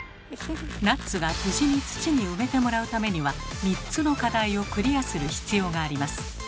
ナッツが無事に土に埋めてもらうためには３つの課題をクリアする必要があります。